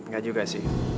gak juga sih